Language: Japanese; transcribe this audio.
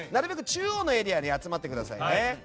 中央にエリアに集まってくださいね。